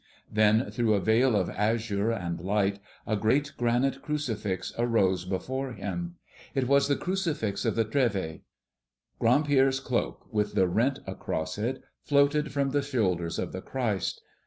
Then through a veil of azure and light a great granite crucifix arose before him. It was the crucifix of the Trèves. Grand Pierre's cloak, with the rent across it, floated from the shoulders of the Christ.